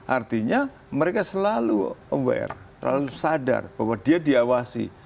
artinya mereka selalu aware selalu sadar bahwa dia diawasi